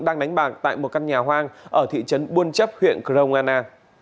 đang đánh bạc tại một căn nhà hoang ở thị trấn buôn chấp huyện crong anna